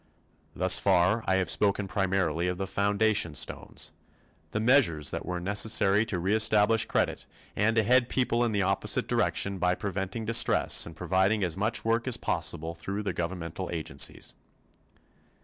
Thus far I have spoken primarily of the foundation stones the measures that were necessary to reestablish credit and to head people in the opposite direction by preventing distress and providing as much work as possible through governmental agencies.